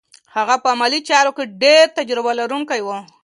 هغه په علمي چارو کې ډېر تجربه لرونکی و.